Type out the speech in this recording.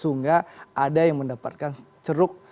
sehingga ada yang mendapatkan ceruk